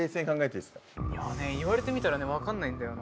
いやね言われてみたら分かんないんだよな